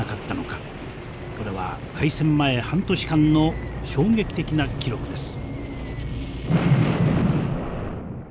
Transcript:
これは開戦前半年間の衝撃的な記録です。